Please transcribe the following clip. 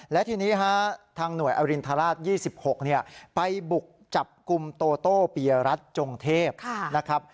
และทีนี้ฮะทางหน่วยอรินทราช๒๖ไปบุกจับกลุ่มโตโต้ปียรัฐจงเทพนะครับ